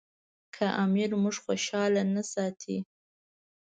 که امیر موږ خوشاله نه ساتي.